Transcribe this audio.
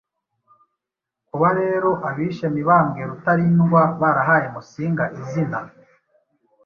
Kuba rero abishe Mibambwe Rutalindwa barahaye Musinga izina